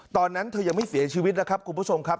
ตอนนั้นเธอยังไม่เสียชีวิตนะครับคุณผู้ชมครับ